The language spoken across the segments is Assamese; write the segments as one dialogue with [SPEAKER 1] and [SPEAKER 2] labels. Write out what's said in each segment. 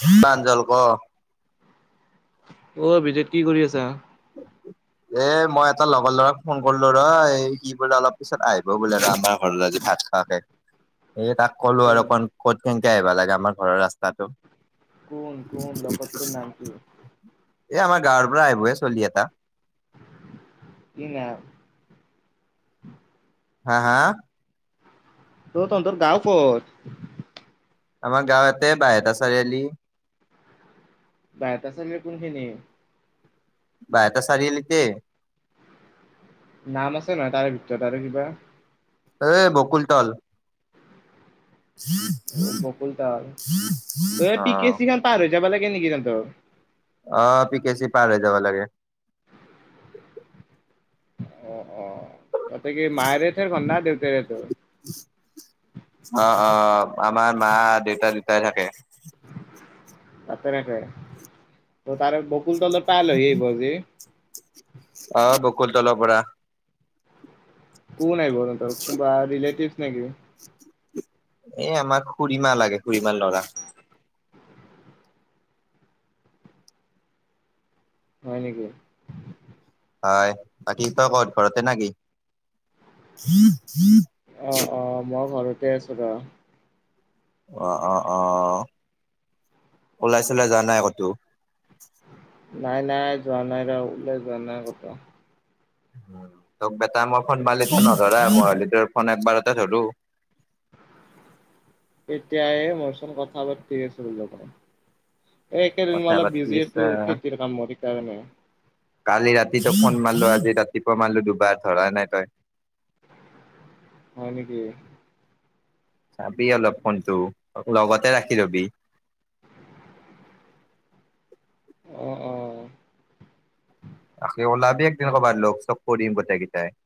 [SPEAKER 1] প্ৰাঞ্জল ক
[SPEAKER 2] অভিজিত কি কৰি আছা।
[SPEAKER 1] এ মই এটা লগৰ ল'ৰাক ফোন কৰিলো ৰ সি বোলে অলপ পিছত আহিব বোলে ৰ আমাৰ ঘৰলৈ আজি। [unintelligible] এই তাক ক'লো
[SPEAKER 2] কোন
[SPEAKER 1] আৰুকণ ক'ত কেনকে আহিবা লাগে আমাৰ ঘৰৰ ৰাস্তাটো।
[SPEAKER 2] কোন কোন লগৰটোৰ নাম কি?
[SPEAKER 1] এ আমাৰ গাঁৱৰ পৰা আহিবহে চলি এটা।
[SPEAKER 2] ই ন।
[SPEAKER 1] হা হা।
[SPEAKER 2] ত তোৰ গাঁওকত
[SPEAKER 1] আমাৰ গাঁৱতে বাইহাতা চাৰিআলি
[SPEAKER 2] বাইহাতা চাৰিআলি কোনখিনিত
[SPEAKER 1] বাইহাতা চাৰিআলিতে।
[SPEAKER 2] নাম আছে নহয় তাৰে ভিতৰত আৰু কিবা
[SPEAKER 1] এ বকুল তল
[SPEAKER 2] অ বকুল ত আৰু ত
[SPEAKER 1] অ
[SPEAKER 2] পিকেছিখন পাৰ হৈ যাবা লাগে নেকি জহতৰ
[SPEAKER 1] অ পি কে চি পাৰে যাব লাগে
[SPEAKER 2] অ অ তাতে কি মায়েৰে থৰখনন না দেউতাৰেটো
[SPEAKER 1] অ অ আমাৰ মা দেউতা দুউতাই থাকে।
[SPEAKER 2] তাতে থাকে ত তাৰে বকুল তলত পা লৈআহিব গে।
[SPEAKER 1] অ বকুল তলৰ পৰা।
[SPEAKER 2] কোনা আহিব কোনোবা লেটিভছ নে কি।
[SPEAKER 1] এ আমাৰ খুুৰীমা লাগে খুুৰীমাৰ ল'ৰা।
[SPEAKER 2] হয় নেকি?
[SPEAKER 1] হয় বাকী তই কত ঘৰতে না কি।
[SPEAKER 2] অ অ মই ঘৰতে আছো ৰহ।
[SPEAKER 1] অ অ অ ওলাই চোলাই যা নাই কতো।
[SPEAKER 2] নাই নাই যোৱা নাই ৰহলৈ যোৱা নাই কত।
[SPEAKER 1] তোক বেটা মই ফোন মালি নধৰা ম ফোন একবাৰটা ধৰো।
[SPEAKER 2] এতিয়াই মইচোন কথা পাতি আছিলো জ। এই একেইদিন মই
[SPEAKER 1] কথা
[SPEAKER 2] অলপ
[SPEAKER 1] পাতি
[SPEAKER 2] বিজি আছিলো
[SPEAKER 1] আছা।
[SPEAKER 2] খেতিৰ কামত সেইকাৰণে?
[SPEAKER 1] কালি ৰাতিতো ফোন মাৰলো আজি ৰাতিপুৱা মাৰলো দুবাৰ ধৰা নাই তই।
[SPEAKER 2] হয় নেকি।
[SPEAKER 1] চাবি অলপ ফোনটো লগতে ৰাখি লবি।
[SPEAKER 2] অ অ
[SPEAKER 1] তাকে ওলাবি একদিন
[SPEAKER 2] হয়
[SPEAKER 1] কবাৰ লগ চব কৰিম গোটেই কেইটাই।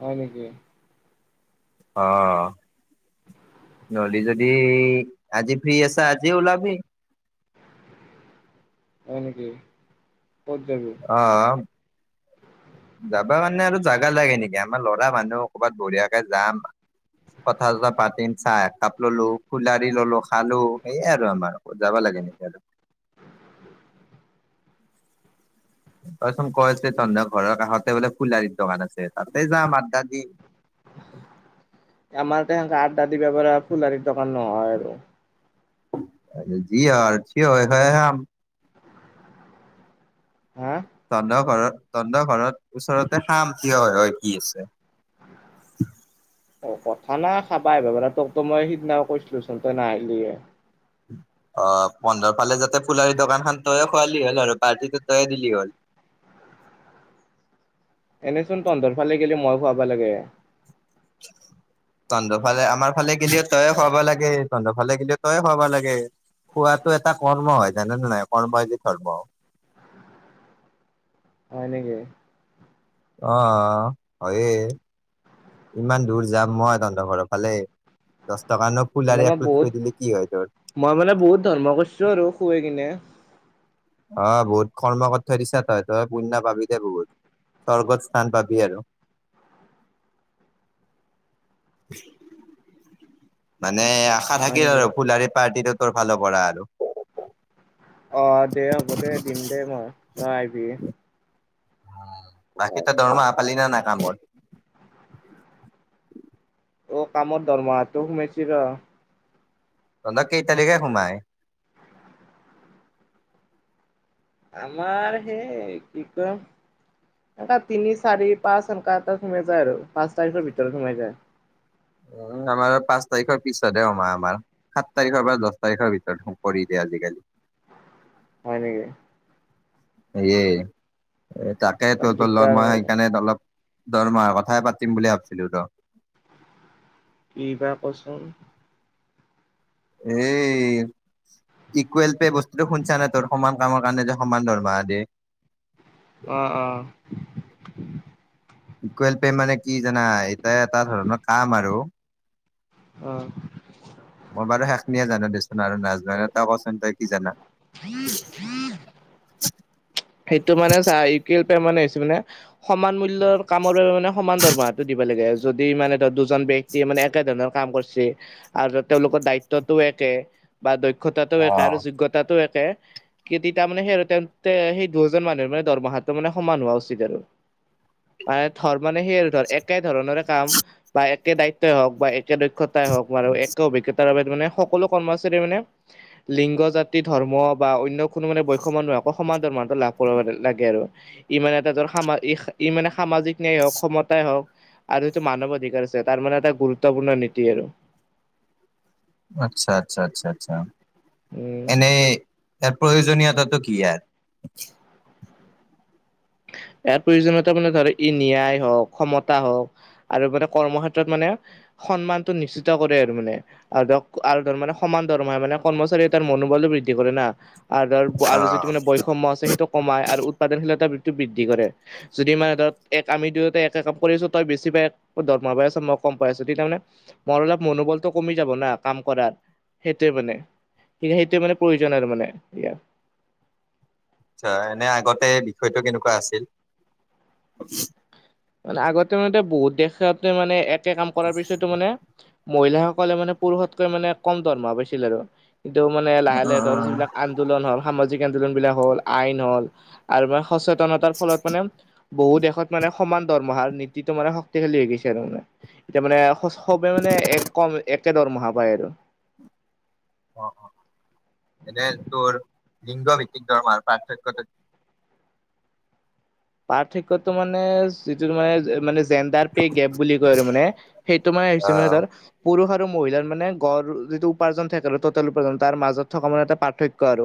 [SPEAKER 2] হয় নেকি।
[SPEAKER 1] অহ নহলে যদি আজি ফ্ৰী আছা আজি ওলাবি?
[SPEAKER 2] হয় নেকি। ক'ত যাবি?
[SPEAKER 1] অ জাবা মানে আৰু জাগা লাগে নেকি আমাৰ ল'ৰা মানুহ ক'ৰবাত বঢ়িয়াকে যাম। কথা চথা পাতিম চাহ একাপ ললো খুলাৰি ললো খালো সেয়ে আৰু আমাৰ যাব লাগে। কেনেকে।
[SPEAKER 2] [unintelligible]
[SPEAKER 1] তইচোন কৈছে ত ঘৰৰ কাষত। বোলে ফুলাৰিৰ দোকান আছে তাতে যাম আড্ডা দি।
[SPEAKER 2] আমাৰ তে সেনেকে আড্ডা দিব পাৰ ফুলাৰিৰ দোকান নহয় আৰু
[SPEAKER 1] যি হয় [unintelligible]
[SPEAKER 2] হা
[SPEAKER 1] তহত ঘৰত তহত ঘৰত ওচৰতে খাম থিয় হৈ হৈ কি আছে। উ
[SPEAKER 2] অ কথা নাই খাবা আহিব পাৰা তোক তো মই সিদিনা কৈছিলোচোন তই নাহিলি।
[SPEAKER 1] অ পোন্ধৰ ফালে যাতে ফুলাৰি দোকান খান তয়ে খোৱালি হ'ল আৰু পাৰ্টিটো তয়ে দিলি হ'ল।
[SPEAKER 2] [unintelligible] এনেচোন তহতৰ ফালে গেলি মইয়ে খোৱাবা লাগে।
[SPEAKER 1] [unintelligible] তহত ফালে আমাৰ ফালে গিলিও তইয়ে খুৱাব লাগে তহত ফালে গিলিও তইয়ে খোৱাব লাগে। খোৱাতটো এটা কৰ্ম হয় জানে নো নাই কৰ্ম হয় যে ধৰ্ম।
[SPEAKER 2] হয় নেকি।
[SPEAKER 1] অহ, হয়ে। ইমান দূৰ যাম মই তহন্তৰ ঘৰৰ ফালে দোকানো
[SPEAKER 2] এনে
[SPEAKER 1] ফুলাৰে
[SPEAKER 2] মই
[SPEAKER 1] আপলোড
[SPEAKER 2] বহুত
[SPEAKER 1] কৰি দিলে কি হয় তোৰ?
[SPEAKER 2] মই মানে বহুত ধৰ্ম কৰছো আৰু খোৱে কিনে।
[SPEAKER 1] অহ, বহুত কৰ্ম কৰি থৈ দিছা তই -তই পুণ্য পাবিদে বহুত। স্বৰ্গত স্থান পাবি আৰু।
[SPEAKER 2] [inaudible]
[SPEAKER 1] [inaudible] বাদ নে আশা
[SPEAKER 2] হয়
[SPEAKER 1] থাকিল
[SPEAKER 2] নেকি?
[SPEAKER 1] আৰু ফুলাৰি পাৰ্টিটো তোৰ ফালৰ পৰা আৰু।
[SPEAKER 2] অহ, দে হ'ব দে দিম দে মই তই আহিবি।
[SPEAKER 1] বাকি তই দৰমহা পালি নে নাই কামৰ?
[SPEAKER 2] অহ, কামৰ দৰমহাটো সুমেছি ৰ'।
[SPEAKER 1] তহন্তৰ কেই তাৰিখে সোমাই?
[SPEAKER 2] আমাৰ সেই কি কয় এনকা তিনি, চাৰি, পাঁচ এনকা এটাত সোমে যায় আৰু পাঁচ তাৰিখৰ ভিতৰত সোমে যায়।
[SPEAKER 1] উম, আমাৰ পাঁচ তাৰিখৰ পিছতহে সোমাই আমাৰ সাত তাৰিখৰ পৰা দছ তাৰিখৰ ভিতৰত কৰি দিয়ে। আজিকালি
[SPEAKER 2] হয় নেকি?
[SPEAKER 1] এয়ে এ তাকে
[SPEAKER 2] অলপ
[SPEAKER 1] তহতৰ লগ
[SPEAKER 2] দিগদাৰ
[SPEAKER 1] মই
[SPEAKER 2] হয়
[SPEAKER 1] সেইকাৰণে অলপ দৰমাৰ কথাই পাতিম বুলি ভাবিছিলো ৰ
[SPEAKER 2] কিবা কচোন?
[SPEAKER 1] এই ইকুৱেল পে বস্তুটো শুনছানে তোৰ সমান কামৰ কাৰণে যে সমান দৰমাহ দে?
[SPEAKER 2] অ', - অ',
[SPEAKER 1] ইকুৱেল পে মানে কি জানা এইটা এটা ধৰণৰ কাম আৰু
[SPEAKER 2] অ
[SPEAKER 1] [inaudible] মই বাৰু শেখনিয়ে জানো দেচোন আৰু নাজনা এটা কচোন তই কি জানা?
[SPEAKER 2] [inaudible] সেইটো মানে চা [unintelligible] পেমেণ্ট হৈছে মানে হৈছে মানে সমান মূল্যৰ কামৰো মানে সমান দৰমহাটো দিবা লাগে যদি মানে ধৰ দু জন ব্যক্তিয়ে মানে একে ধৰণৰ কাম কৰছি আৰু তেওঁলোকৰ দায়িত্বটোও একে বা দ্য খোতাটো একে আৰু
[SPEAKER 1] অ'।
[SPEAKER 2] যোগ্যতাটো একে কিদি তাৰ মানে সেই তেন্তে সি বহুজন মানুহৰ মানে দৰমাহাটো মানে সমান হোৱা উচিত আৰু। মানে ধৰ মানে সেই আৰু ধৰ একে ধৰণৰে কাম বা একে দায়িত্বই হওক বা এক একে দক্ষতাই হওক বাৰু একে অভিজ্ঞতাৰ বাবে মানে সকলো কৰ্মচাৰীৰ মানে লিংগ, জাতি, ধৰ্ম বা অন্য কোনো মানে বৈষময় সমান দৰমহা লাভ কৰিব লাগে আৰু ই মানে এটা ধৰ ই সামা ই মানে সামাজিক নিয়াই হওক ক্ষমতাই হওক আৰু সেইটো মানৱ অধিকাৰ আছে, তাৰ মানে এটা গুৰুত্বপূৰ্ণ নীতি আৰু।
[SPEAKER 1] আচ্ছা -আচ্ছা -আচ্ছা -আচ্ছা
[SPEAKER 2] উম
[SPEAKER 1] এনে ইয়া প্ৰয়োজনীয়তাটো কি ইয়াৰ?
[SPEAKER 2] ইয়াৰ প্ৰয়োজনীয়তা মানে ধৰ ই নিয়ায় হওক ক্ষমতা হওক আৰু মানে কৰ্মক্ষেত্ৰত মানে সন্মানটো নিশ্চিত কৰে আৰু মানে আৰু ধৰক আৰু ধৰ মানে সমান ধৰমে মানে কৰ্মচাৰী এটাৰ মনোবল বৃদ্ধি কৰে না আৰু ধৰ আৰু যিটো
[SPEAKER 1] অ',
[SPEAKER 2] মানে বৈষম্য আছে সেইটো কমাই আৰু উৎপাদনশীলতা বৃদ্ধি বৃদ্ধি কৰে, যদি মানে ধৰ এক আমি দুইটা একে কাম কৰিছো তই বেছি পাই দৰমহা পাই আছ মই কম পাই আছ যদি তাৰমানে মোৰ অলপ মনোবলটো কমি যাব না কাম কৰাত সেইটোয়ে মানে। সেয়ে সেইটো মানে প্ৰয়োজন আৰু মানে এয়া
[SPEAKER 1] আটছা আগতে বিষয়টো কেনেকুৱা আছিল?
[SPEAKER 2] মানে আগতে মানে বহুত দেশতে মানে একে কাম কৰাৰ পিছতো মানে মহিলাসকলে মানে পুৰুষতকৈ মানে কম দৰমহা পাইছিল আৰু এইটো মানে লাহে -লাহে ধৰ
[SPEAKER 1] অ',
[SPEAKER 2] যিবিলাক আন্দোলন হল সামাজিক আন্দোলন বিলাক হ'ল আইন হল আৰু বা সচেতনতাৰ ফলত মানে বহু দেশত মানে সমান দৰমহাৰ নীতিটো মানে শক্তিশালী হৈ গৈছে আৰু মানে। এতিয়া মানে সবে মানে কম একে দৰমহা পায় আৰু।
[SPEAKER 1] অহ - অহ এনে তোৰ লিংগ ভিত্তিক দৰমহাৰ পাৰ্থক্যটো
[SPEAKER 2] পাৰ্থক্যটো মানে যিটো মে মানে ট্ৰেণ্ডাৰ পে গেপ বুলি কৈ আৰু মানে সেইটো মানে হৈছে মানে
[SPEAKER 1] অ',
[SPEAKER 2] ধৰ পুৰুষত ত মহিলাৰ মানে গড়ৰ যিটো উপাৰ্জন থাকে তলতত তে উপাজন্তাৰ তাৰ মাজত থকা মানে এটা পাৰ্থক্য আৰু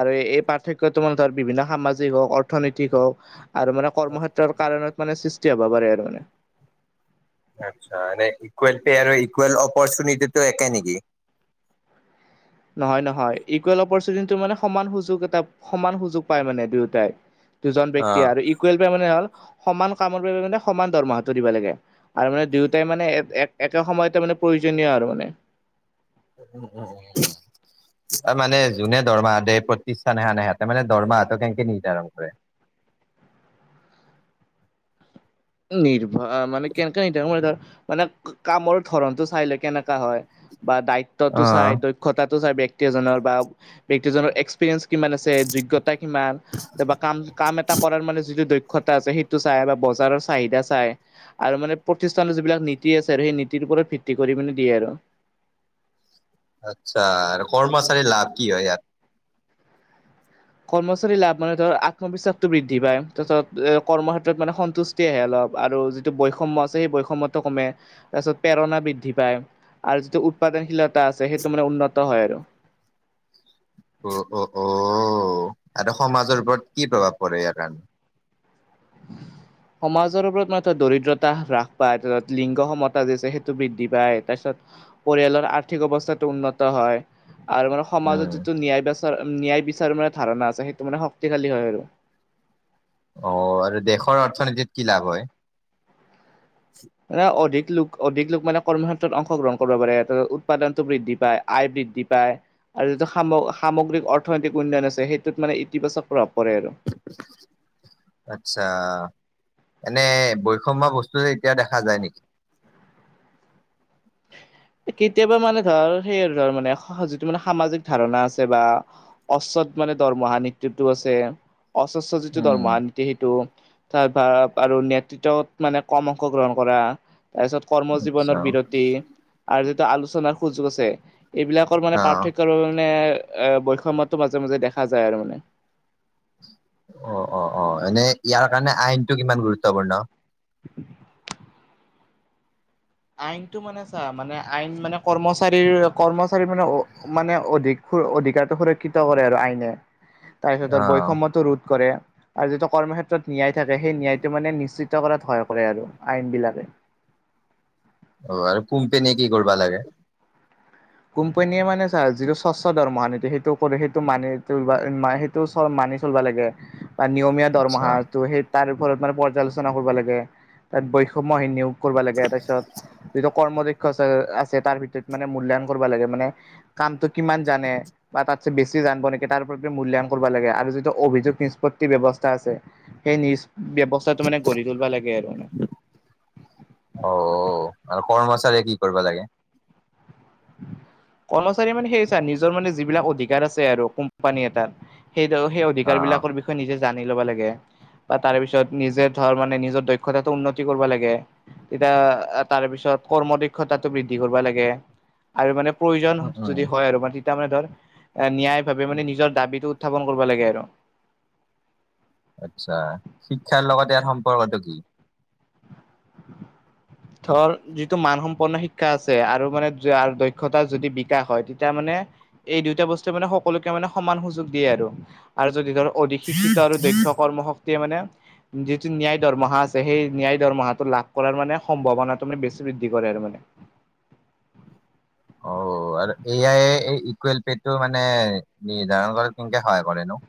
[SPEAKER 2] আৰু এই পাৰ্থক্য টো মানে ধৰ বিভিন্ন সামাজিক হওক অৰ্থনৈতিক হওক আৰু মানে কৰ্মক্ষেত্ৰৰ কাৰণত মানে সৃষ্টি হ'ব পাৰে আৰু মানে।
[SPEAKER 1] আচ্ছা এনেই ইকুৱেল্টি আৰু ইকুৱেল অপ্ৰচিনিতিটো একে নেকি?
[SPEAKER 2] [inaudible] নহয় নহয় ইকুৱেল অপৰচুটি মানে সমান সুযোগ এটা সমান সুযোগ পাই মানে দুয়োটাই দুজন ব্যক্তি
[SPEAKER 1] অ'।
[SPEAKER 2] আৰু ইকুৱেল মানে হ'ল। সমান কামৰ বাবে মানে সমান দৰমাহটো দিব লাগে আৰু মানে দুয়টাই মানে এক একে সময়তে মানে প্ৰয়োজনীয় আৰু মানে
[SPEAKER 1] উ উম উ ত মানে যোনে দৰমাহতে প্ৰতিষ্ঠান এহানেহঁতে মেৰমাহ কেনেকে নিৰ্ধাৰণ কৰে।
[SPEAKER 2] [inaudible] নিৰ্ভৰ মানে কেনেকা নি ম ধৰ মানে কামৰ ধৰণতটো চাই লৈ কেনেকা হয়। বা দায়িত্বতো চাই
[SPEAKER 1] অ',
[SPEAKER 2] দক্ষতাটো চাই ব্য্ক্তি এজনৰ বা ব্যক্তিজনৰ এক্সপিৰিয়েন্ঞ্চ কিমান আছে যোগ্য়তা কিমান তাৰা কাম কাম এটা কৰাৰ মানে যিটো দক্ষ তা আছে সেইটো চাই বা বজাৰৰ চাহিদা চাই আৰু মানে প্ৰতিষ্ঠানৰ যিবিলাক নীতি আছে আৰু সেই নীতিৰ ওপৰত ভিত্তি কৰি মানে দিয়ে আৰু [inaudible]
[SPEAKER 1] আচ্ছা আৰু কৰ্মচাৰীৰ লাভ কি হয় ইয়াত
[SPEAKER 2] কৰ্মচাৰী লাভ মানে ধৰ আত্মবিশ্বাসটো বৃদ্ধি পায় তাৰপছত এ কৰ্মক্ষেত্ৰত মানে সন্তুষ্টি আহে অলপ আৰু যিটো বৈষম্য আছে সেই বৈষম্টো কমে তাৰ পিছত প্ৰেৰণা বৃদ্ধি পায়। আৰু যিটো উৎপাদনশীলতা আছে সেইটো মানে উন্নত হয় আৰু
[SPEAKER 1] অ অ অ আৰু তে সমাজৰ ওপৰত কি প্ৰভাৱ পৰে ইয়াৰ কাৰণে?
[SPEAKER 2] উ সমাজৰ ওপৰত মান দৰিদ্ৰতা হ্ৰাস পায় তাৰপিছত লিংগ সমতা যি আছে সেইটো বৃদ্ধি পায় তাৰপিছত পৰিয়ালৰ আৰ্থিক অৱস্থাটো উন্নত হয় আৰু মানে
[SPEAKER 1] উম,
[SPEAKER 2] সমাজত যিটো ন্যায় বস্ত ন্যায় বিচাৰো মানে ধাৰণা আছে সেইটো মানে শক্তিশালী হয় আৰু
[SPEAKER 1] অ আৰু দেশৰ অৰ্থনীতিত কি লাভ হয়।
[SPEAKER 2] ন অধিক লোক অধিক লোক মানে কৰ্মক্ষেত্ৰত অংশগ্ৰহণ কৰিব পাৰে ত উৎপাদনতটো বৃদ্ধি পায় আয় বৃদ্ধি পায়। আৰু যিটো সামগ্ৰিক অৰ্থনৈতিক উন্নয়ন আছে সেইটোত মানে ইতিবাচক ৰপ
[SPEAKER 1] আত্ছা এনে বৈষম্যয় বস্তু যে এতিয়া দেখা যায় নেকি?
[SPEAKER 2] [inaudible] কেতিয়াবা মানে ধৰ সেই আৰু ধৰ মানে যিটো মানে সামাজিক ধাৰণা আছে বা অচ মানে দৰমহা নৃতটো আছে অস্বস্ৰ যিটো
[SPEAKER 1] উম,
[SPEAKER 2] দৰমহা নীতি সেইটো তাৰ ভ আৰু নেতৃত্বত মানে কম অংশ গ্ৰহণ কৰা। তাৰপিছত কৰ্ম
[SPEAKER 1] আচ্ছা।
[SPEAKER 2] জীৱনৰ বিৰতি আৰু যিটো আলোচনাৰ সুযোগ আছে। এইবিলাকৰ মানে
[SPEAKER 1] অ',
[SPEAKER 2] পাৰ্থক্য মানে এ বৈষম্যটো মাজে মাজে দেখা যায় আৰু মানে
[SPEAKER 1] অ অ অ এনে ইয়াৰ কাৰণে আইনতটো কিমান গুৰুত্বপূৰ্ণ
[SPEAKER 2] আইনতটো মানে চা মানে আইন মানে কৰ্মচাৰীৰ কৰ্মচাৰীৰ মানে মানে অধিক অধিকাৰতটো সুৰক্ষিত কৰে আৰু আইনে তাৰপিছত আৰু
[SPEAKER 1] অ',
[SPEAKER 2] বৈষম্যতো ৰোধ কৰে। আৰু যিটো কৰ্মক্ষেত্ৰত ন্যায় থাকে সেই ন্যায়টো মানে নিশ্চিত কৰাত ভয় কৰে আৰু আইন বিলাকে [inaudible]
[SPEAKER 1] অ আৰু কুম্পেনি কি কৰিবা লাগে।
[SPEAKER 2] কোম্পানীয়ে মানে চ যিটো স্বচ্ দৰমহা নিতি সেইটো কৰে সেইটো মানে সেইটো ম মানি চলিব লাগে। বা নিয়মীয়া
[SPEAKER 1] আচ্ছা,
[SPEAKER 2] দৰমহাটো সেই তাৰ ওপৰত মানে পৰ্যালোচনা কৰিব লাগে তাত বৈশম্য হিনীও কৰিব লাগে তাৰপিছত যিটো কৰ্মক্ষয় আছে তাৰ ভিতৰত মানে মূল্যায়ন কৰিব লাগে মানে কামটো কি মান জানে? বেছি জানিব নেকি তাৰ প্ৰতি মূল্যায়ন কৰিব লাগে আৰু যিটো অভিযোগ নিষ্পত্তি ব্যৱস্থা আছে সেই নি ব্যৱস্থাটো মানে গঢ়ি তুলিবা লাগে আৰু
[SPEAKER 1] মানে কৰ্মচাৰীয়ে কি কৰিব লাগে।
[SPEAKER 2] কৰ্মচাৰী মানে সেই চা নিজৰ মানে যিবিলাক অধিকাৰ আছে আৰু কোম্পানী এটাত সেই সেই অধিকাৰ
[SPEAKER 1] অ',
[SPEAKER 2] বিলাকৰ বিষয়ে নিজে জানি ল'ব লাগে বা তাৰে পিছত নিজে ধৰ মানে নিজৰ দক্ষতাটো উন্নতি কৰিব লাগে তেতিয়া তাৰে পিছত কৰ্ম দক্ষতাটো বৃদ্ধি কৰিব লাগে আৰু মানে প্ৰয়োজন
[SPEAKER 1] উম, উম,
[SPEAKER 2] যদি হয় আৰু মানে তাৰ মানে ধৰ ন্যায় ভাৱে মানে নিজৰ দাবীটো উত্থাপন কৰিব লাগে আৰু
[SPEAKER 1] আচ্ছা শিক্ষাৰ লগত ইয়াৰ সম্পৰ্কটো কি?
[SPEAKER 2] ধৰ যিটো মান সম্পন্ন শিক্ষা আছে আৰু মানে দক্ষতা যদি বিকাশ হয় তেতিয়া মানে। এই দুইটা বস্তুে মানে সকলোকে মানে সমান সুযোগ দিয়ে আৰু যদি ধৰক অধিক শিক্ষিত আৰু দক্ষ কৰ্ম শক্তি শক্তিয়ে মানে যিটো ন্যায় দৰমহা আছে সেই ন্যায় দৰমহাটো লাভ কৰাৰ মানে সম্ভাৱনাটো মানে বেছি বৃদ্ধি কৰে আৰু মানে
[SPEAKER 1] অ আৰু এ আই এই ইকুৱেল পেটো মানে নিৰ্ধাৰণ কৰা কেনেকে সহায় কৰে নো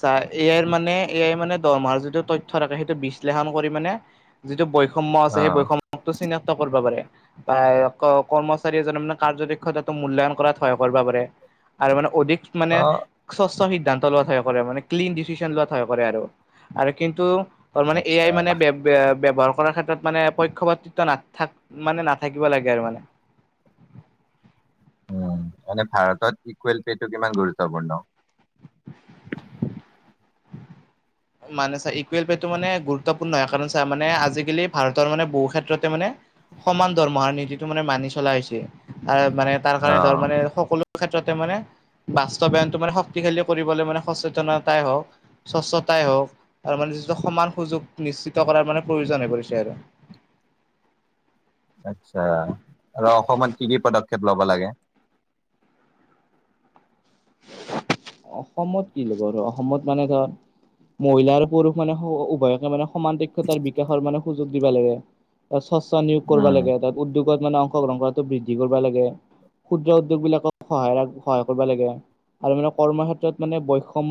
[SPEAKER 2] চা এই আই মানে এই আই মানে দৰমহা যিটো তথ্য থাকে সেইটো বিশ্লেষণ কৰি মানে যিটো বৈ বৈষম্য আছে সেই
[SPEAKER 1] অ'
[SPEAKER 2] বৈষম্যটো চিনাক্ত কৰিব পাৰে বা কৰ্মচাৰী এজন মানে কাৰ্যদক্ষতা টো মূল্যায়ন কৰাত সহায় কৰিব পাৰে। আৰু মানে অধিক মানে
[SPEAKER 1] অ'
[SPEAKER 2] স্বচ্ছ সিদ্ধান্ত লোৱা থাক কৰে মানে ক্লিন ডিচিছন লোৱাত সহায় কৰে আৰু, আৰু কিন্তু এ
[SPEAKER 1] আচ্ছা
[SPEAKER 2] আই মানে বে বে ব্যৱহাৰ কৰাৰ ক্ষেত্ৰত মানে পক্ষপ্তিত্ব নাক মানে নাথাকিব লাগে আৰু মানে [inaudible]
[SPEAKER 1] উ এনে ভাৰতত ইকুৱেল পেটো কিমান গুৰুত্বপূৰ্ণ
[SPEAKER 2] [unintelligible] মানে চাৰ ইকুৱেল পে'টো মানে গুৰুত্বপূৰ্ণ হয় কাৰণ চা মানে আজিকালি ভাৰতৰ মানে বহু ক্ষেত্ৰতে মানে সমান দৰমহাৰ নীতিটো মানে মানি চলা হৈছে মানে তাৰ কাৰণে ধৰ
[SPEAKER 1] অ'
[SPEAKER 2] মানে সকলো। ক্ষেত্ৰতে মানে। বাস্তৱায়নতটো মানে শক্তিশালী কৰিবলৈ মানে সচেতনতাই হওক স্বচ্ছ। তাই হওক আৰু মানে যি সমান সুযোগ নিশ্চিত কৰাৰ মানে প্ৰয়োজন হৈ পৰিছে আৰু [unintelligible]
[SPEAKER 1] আচ্ছা আৰু অসমত কি কি পদক্ষেপ লব লাগে।
[SPEAKER 2] [unintelligible] [unintelligible] অসমত কি লাব আৰু অসমত মানে ধৰ মহিলা আৰু পুৰুষ মানে উভয়কে মানে সমানদক্ষতাৰ বিকাশৰ মানে সুযোগ দিবা লাগে তাৰ। স্ব্ছ নিয়োগ কৰিব
[SPEAKER 1] উম
[SPEAKER 2] লাগে তাত উদ্যোগত মানে অংশগ্ৰহণ কৰাত বৃদ্ধি কৰিব লাগে ক্ষুদ্ৰ উদ্যোগ বিলাকক সহায় সহায় কৰিব লাগে আৰু মানে কৰ্মক্ষেত্ৰত মানে বৈষম্য।